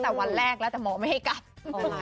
ยังเรียกว่ามันตอย่างก่อน